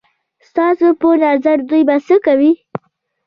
ستاسو په نظر دوی به څه کوي؟